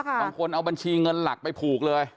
บางคนเอาบัญชีเงินหลักไปผูกเลย